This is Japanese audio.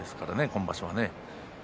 今場所はね。